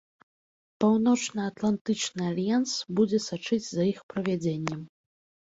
Паўночнаатлантычны альянс будзе сачыць за іх правядзеннем.